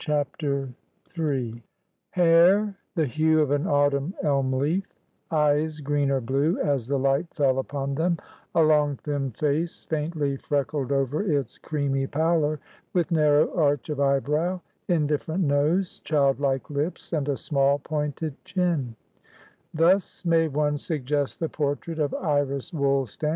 CHAPTER III Hair the hue of an autumn elm leaf; eyes green or blue, as the light fell upon them; a long, thin face, faintly freckled over its creamy pallor, with narrow arch of eyebrow, indifferent nose, childlike lips and a small, pointed chin; thus may one suggest the portrait of Iris Woolstan.